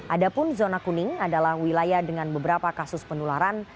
adapun zona kuning adalah wilayah dengan beberapa kasus penularan